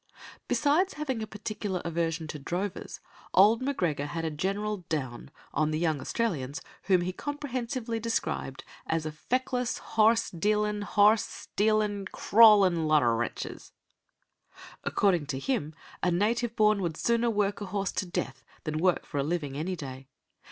Besides having a particular aversion to drovers, old M'Gregor had a general "down" on the young Australians whom he comprehensively described as a "feckless, horrse dealin', horrse stealin', crawlin' lot o' wretches." According to him, a native born would sooner work a horse to death than work for a living any day.